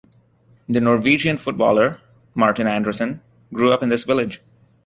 The Norwegian footballer Martin Andresen grew up in this village.